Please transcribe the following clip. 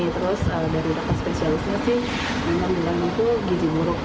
terus dari dokter spesialisnya sih mainan bilang itu gizi buruk